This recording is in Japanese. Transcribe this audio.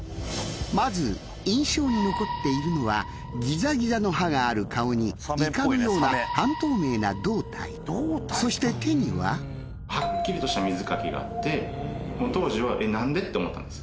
まず印象に残っているのはがある顔にイカのようなそして手には。はっきりとした水かきがあって当時はえっなんで？って思ったんです。